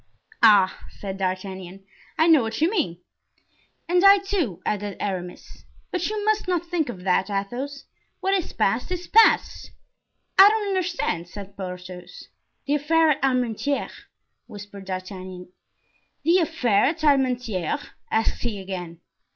"Ah!" said D'Artagnan; "I know what you mean." "And I, too," added Aramis; "but you must not think of that, Athos; what is past, is past." "I don't understand," said Porthos. "The affair at Armentieres," whispered D'Artagnan. "The affair at Armentieres?" asked he again.